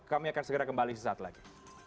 kami akan segera kembali sesaat lagi